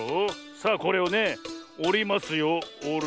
さあこれをねおりますよ。